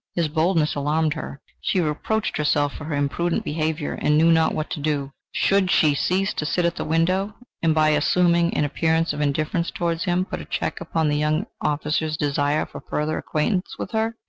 His boldness alarmed her. She reproached herself for her imprudent behaviour, and knew not what to do. Should she cease to sit at the window and, by assuming an appearance of indifference towards him, put a check upon the young officer's desire for further acquaintance with her?